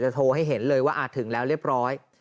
โทรให้เห็นเลยว่าถึงแล้วเรียบร้อย